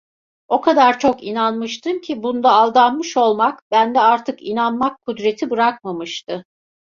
O kadar çok inanmıştım ki, bunda aldanmış olmak, bende artık inanmak kudreti bırakmamıştı.